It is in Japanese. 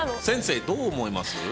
先生どう思います？